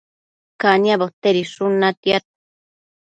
caniabo tedishun natiad